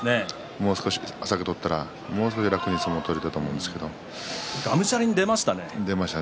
もう少し浅く取ったら、もう少し楽に相撲を取れたとがむしゃらに出ましたね。